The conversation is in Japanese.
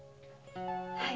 はい。